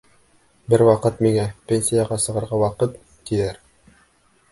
Бер ваҡыт миңә: «Пенсияға сығырға ваҡыт!» -тиҙәр.